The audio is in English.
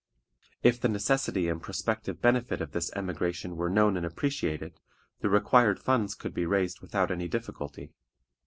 If the necessity and prospective benefit of this emigration were known and appreciated, the required funds could be raised without any difficulty.